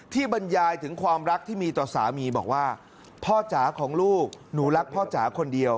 บรรยายถึงความรักที่มีต่อสามีบอกว่าพ่อจ๋าของลูกหนูรักพ่อจ๋าคนเดียว